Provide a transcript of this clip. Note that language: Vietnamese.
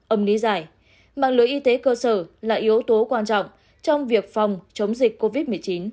âm lý giải mạng lưới y tế cơ sở là yếu tố quan trọng trong việc phòng chống dịch covid một mươi chín